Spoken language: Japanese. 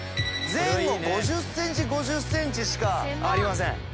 前後５０ｃｍ５０ｃｍしかありません。